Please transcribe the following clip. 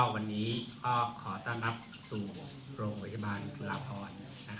วันนี้ก็ขอต้อนรับสู่โรงพยาบาลจุฬาพร